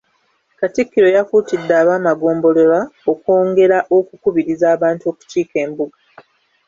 Katikkiro yakuutidde ab'amagombolola okwongera okukubiriza abantu okukiika embuga.